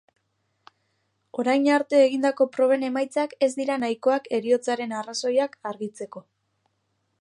Orain arte egindako proben emaitzak ez dira nahikoak heriotzaren arrazoiak argitzeko.